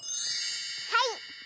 はい。